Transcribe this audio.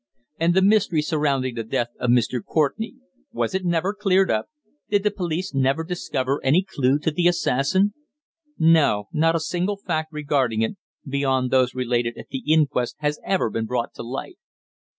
"And the mystery surrounding the death of Mr. Courtenay was it never cleared up? Did the police never discover any clue to the assassin?" "No. Not a single fact regarding it, beyond those related at the inquest, has ever been brought to light."